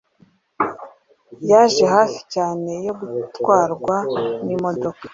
Yaje hafi cyane yo gutwarwa n'imodoka.